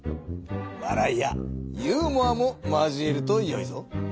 わらいやユーモアも交えるとよいぞ。